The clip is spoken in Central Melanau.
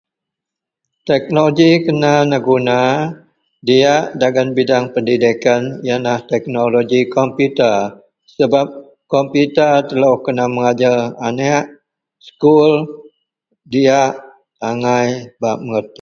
teknologi kena neguna diak dagen bidang Pendidikan ienlah teknologi komputer sebab komputer telou kena megajer aneak skul diak agai bak megerti